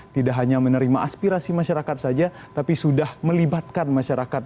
tidak hanya menerima aspirasi masyarakat saja tapi sudah melibatkan masyarakat